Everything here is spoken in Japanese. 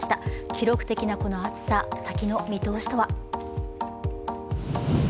記録的なこの暑さ、先の見通しとは。